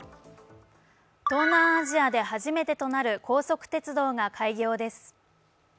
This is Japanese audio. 東南アジアで初めてとなる高速鉄道が開業です。